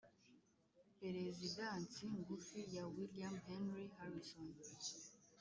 perezidansi ngufi ya william henry harrison